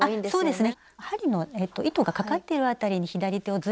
そうですね。